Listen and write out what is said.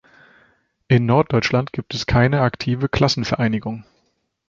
In Norddeutschland gibt es keine aktive Klassenvereinigung.